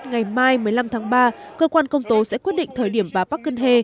ngày mai một mươi năm tháng ba cơ quan công tố sẽ quyết định thời điểm bà park geun hye